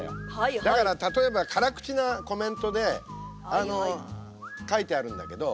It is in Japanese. だから例えば辛口なコメントで書いてあるんだけど。